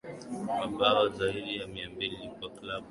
Mabao zaidi ya mia mbili kwa klabu na nchi